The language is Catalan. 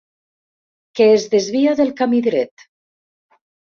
Que es desvia del camí dret.